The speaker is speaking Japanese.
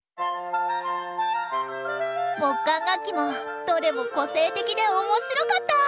木管楽器もどれも個性的でおもしろかった！